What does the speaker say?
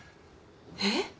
えっ？